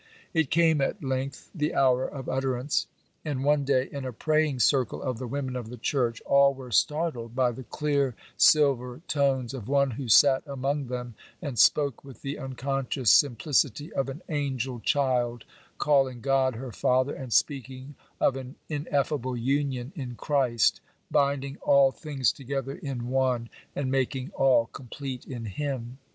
It came at length, the hour of utterance. And one day, in a praying circle of the women of the church, all were startled by the clear silver tones of one who sat among them and spoke with the unconscious simplicity of an angel child, calling God her Father, and speaking of an ineffable union in Christ, binding all things together in one, and making all complete in Him.